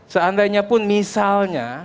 seandainya pun misalnya